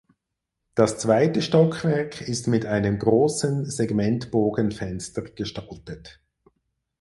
Das zweite Stockwerk ist mit einem großen Segmentbogenfenster gestaltet.